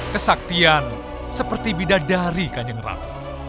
kesaktian seperti bidadari kanjeng ratu